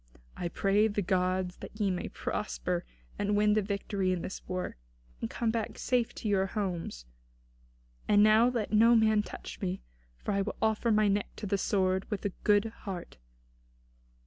I pray the gods that ye may prosper, and win the victory in this war, and come back safe to your homes. And now let no man touch me, for I will offer my neck to the sword with a good heart."